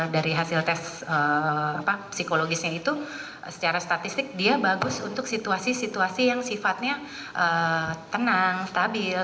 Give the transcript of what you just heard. dari hasil tes psikologisnya itu secara statistik dia bagus untuk situasi situasi yang sifatnya tenang stabil